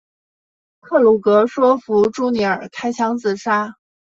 克鲁格说服朱尼尔开枪自杀。